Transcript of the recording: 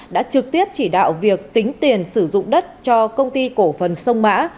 đã trực tiếp chỉ đạo việc tính tiền sử dụng đất cho công ty cổ phần sông mã